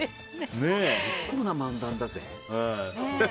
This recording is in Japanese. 結構な漫談だぜ。